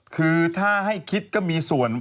คือถ้าให้คิดก็มีส่วน